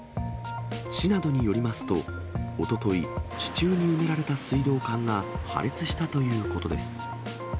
市などによりますと、おととい、地中に埋められた水道管が破裂したということです。